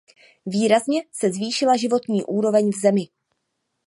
Výrazně se zvýšila životní úroveň v zemi.